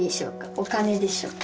お金でしょうか？